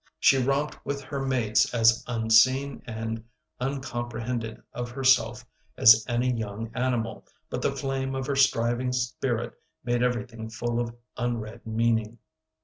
She romped with her mates as unseen and uncomprehended of herself as any young animal, but the flame of her striving spirit made everything full of unread meaning.